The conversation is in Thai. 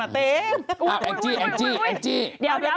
อืมอืมอืมอืม